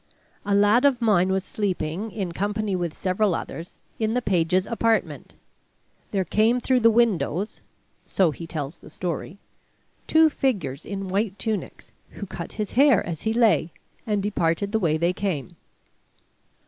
A lad of mine was sleeping, in company with several others, in the pages' apartment. There came through the windows (so he tells the story) two figures in white tunics, who cut his hair as he lay, and departed the way they came.